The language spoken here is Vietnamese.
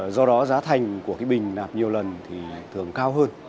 do đó giá thành của cái bình nạp nhiều lần thì thường cao hơn